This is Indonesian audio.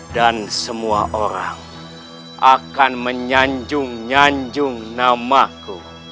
dan semua orang akan menyanjung nyanjung namaku